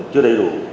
chưa đầy đủ